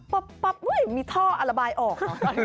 ปั๊บมีท่ออัลลาบายออก